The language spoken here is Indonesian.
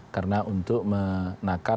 karena untuk menakar